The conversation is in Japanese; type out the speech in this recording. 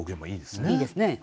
いいですね。